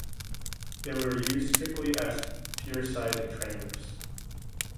They were used strictly as pierside trainers.